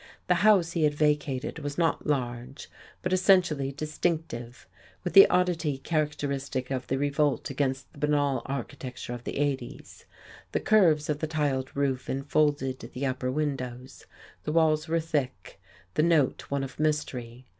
The house he had vacated was not large, but essentially distinctive; with the oddity characteristic of the revolt against the banal architecture of the 80's. The curves of the tiled roof enfolded the upper windows; the walls were thick, the note one of mystery.